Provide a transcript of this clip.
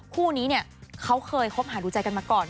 ผู้นี้เค้าเคยค่วงหารู้ใจกันมาก่อน